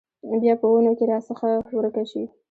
بیا په ونو کې راڅخه ورکه شي